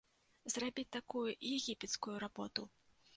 Зрабіць такую егіпецкую работу!